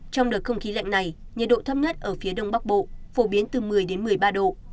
trong đợt không khí lạnh này nhiệt độ thấp nhất ở phía đông bắc bộ phổ biến từ một mươi một mươi ba độ